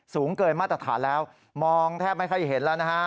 สูงเกินมาตรฐานแล้วมองแทบไม่ค่อยเห็นแล้วนะฮะ